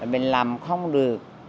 mình làm không được